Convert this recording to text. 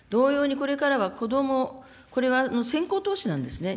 同様にこれからは子ども、これは先行投資なんですね。